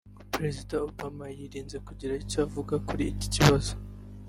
ngo perezida Obama yirinze kugira icyo avuga kuri iki kibazo